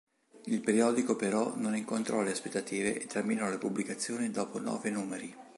Il periodico però non incontrò le aspettative e terminò le pubblicazioni dopo nove numeri.